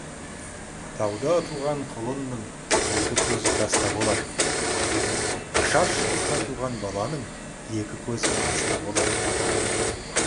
Тауда туған құлынның екі көзі таста болар, ашаршылықта туған баланың екі көзі аста болар.